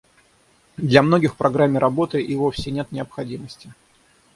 А для многих в программе работы и вовсе нет необходимости.